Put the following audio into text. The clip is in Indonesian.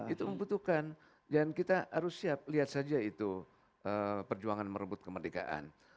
itu membutuhkan dan kita harus siap lihat saja itu perjuangan merebut kemerdekaan